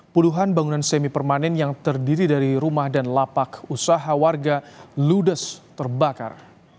puluhan bangunan semi permanen yang terdiri dari rumah dan lapak usaha warga ludes terbakar